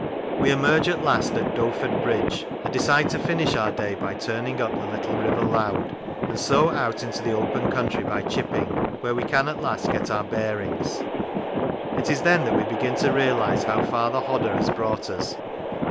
We emerge at last at Doeford bridge, and decide to finish our day by turning up the little River Loud, and so out into the open country by Chipping, where we can at last get our bearings. It is then that we begin to realise how far the Hodder has brought us.